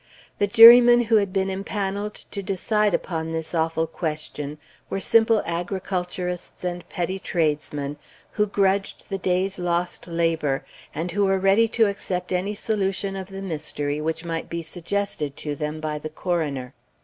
The jurymen who had been impanneled to decide upon this awful question were simple agriculturists and petty tradesmen, who grudged the day's lost labor, and who were ready to accept any solution of the mystery which might be suggested to them by the coroner.